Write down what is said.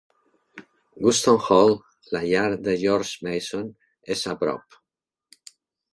Gunston Hall, la llar de George Mason, és a prop.